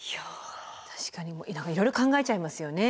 確かにいろいろ考えちゃいますよね。